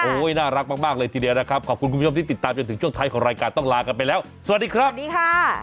น่ารักมากเลยทีเดียวนะครับขอบคุณคุณผู้ชมที่ติดตามจนถึงช่วงท้ายของรายการต้องลากันไปแล้วสวัสดีครับสวัสดีค่ะ